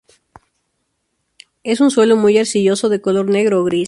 Es un suelo muy arcilloso, de color negro o gris.